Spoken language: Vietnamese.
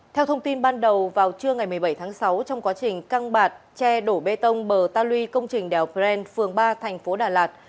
theo thông tin ban đầu vào trưa ngày một mươi bảy tháng sáu trong quá trình căng bạt che đổ bê tông bờ ta luy công trình đèo pren phường ba thành phố đà lạt